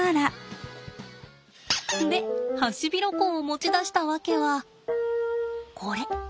でハシビロコウを持ち出した訳はこれ。